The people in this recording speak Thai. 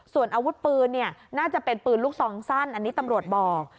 ส่วนอาวุธปืนเนี่ยน่าจะเป็นปืนลูกซองสั้นอันนี้ตำรวจบอก